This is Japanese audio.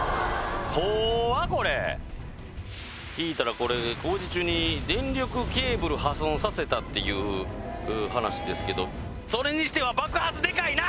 こわっこれ聞いたらこれ工事中に電力ケーブル破損させたっていう話ですけどそれにしては爆発でかいな！